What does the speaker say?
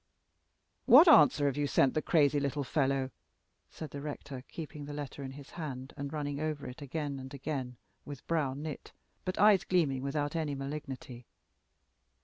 "What answer have you sent the crazy little fellow?" said the rector, keeping the letter in his hand and running over it again and again, with brow knit, but eyes gleaming without any malignity.